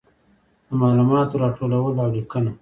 د معلوماتو راټولول او لیکنه.